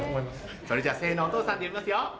それじゃあ「せのお父さん」で呼びますよ。